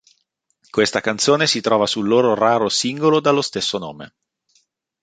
Questa canzone si trova sul loro raro singolo dallo stesso nome.